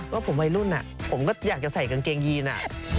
ก็ผมวัยรุ่นอ่ะผมก็อยากจะใส่กางเกงยีนอ่ะ